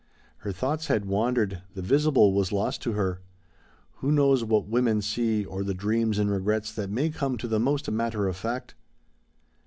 Her thoughts had wandered, the visible was lost to her. Who knows what women see or the dreams and regrets that may come to the most matter of fact?